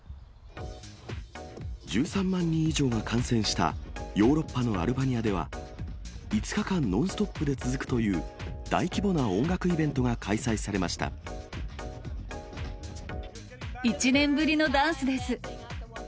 １３万人以上が感染したヨーロッパのアルバニアでは、５日間ノンストップで続くという、大規模な音楽イベントが開催され１年ぶりのダンスです。